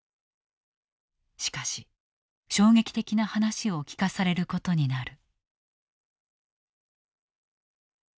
しかし衝撃的な話を聞かされることになる。